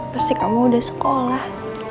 pasti kamu udah sekolah